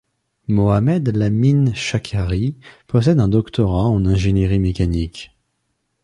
Mohamed Lamine Chakhari possède un doctorat en ingénierie mécanique.